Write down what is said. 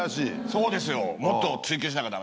そうですよ。だめ。